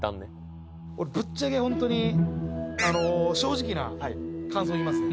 俺ぶっちゃけホントに正直な感想言いますね